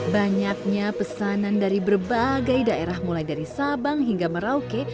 banyaknya pesanan dari berbagai daerah mulai dari sabang hingga merauke